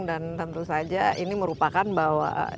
dan tentu saja ini merupakan bahwa